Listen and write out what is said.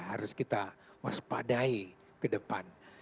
harus kita waspadai ke depan